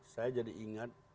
saya jadi ingat